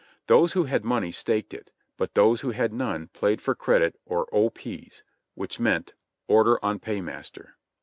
Those who had money staked it, but those who had none played for credit or "O. P.'s," which meant "Order on Paymaster."